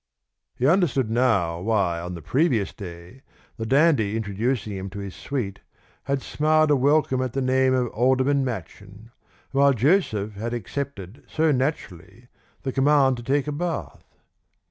He understood now why on the previous day the dandy introducing him to his suite had smiled a welcome at the name of Alderman Machin, and why Joseph had accepted so naturally the command to take a bath.